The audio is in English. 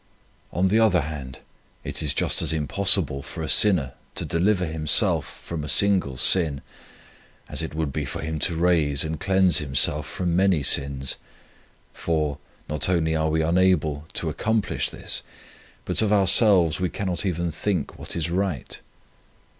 On the other hand, it is just as impossible for a sinner to deliver himself from a single sin as it would be for him to raise and cleanse himself from many sins ; for, not only are we unable to accomplish this, but of ourselves we cannot even think what is right.